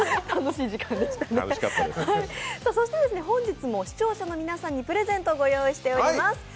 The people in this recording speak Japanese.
本日も視聴者の皆さんにプレゼントを御用意しています。